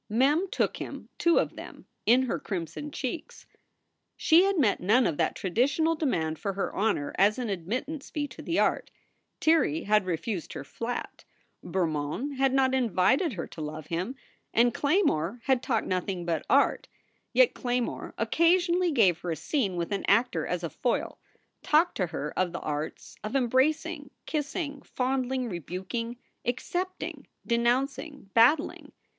Mem took him two of them in her crimson cheeks. She had met none of that traditional demand for her honor as an admittance fee to the art. Tirrey had refused her flat. Bermond had not invited her to love him, and Claymore had talked nothing but art. Yet Claymore occa sionally gave her a scene with an actor as a foil, talked to her of the arts of embracing, kissing, fondling, rebuking, accepting, denouncing, battling.